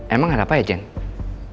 emang ada apa ya jane